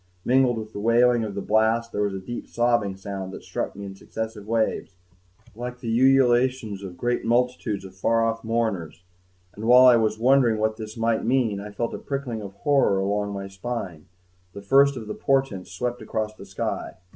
Mingled with the wailing of the blast, there was a deep sobbing sound that struck me in successive waves, like the ululations of great multitudes of far off mourners. And while I was wondering what this might mean and felt a prickling of horror along my spine, the first of the portents swept across the sky.